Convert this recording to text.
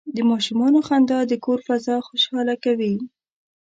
د ماشومانو خندا د کور فضا خوشحاله کوي.